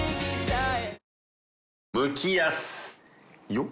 よっ。